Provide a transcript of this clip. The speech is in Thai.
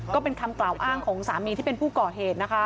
ก็เป็นคำกล่าวอ้างของสามีที่เป็นผู้ก่อเหตุนะคะ